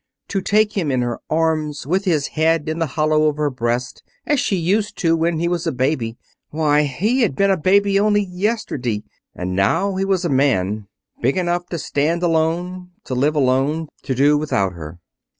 To take him in her arms, with his head in the hollow of her breast, as she used to when he was a baby. Why, he had been a baby only yesterday. And now he was a man. Big enough to stand alone, to live alone, to do without her.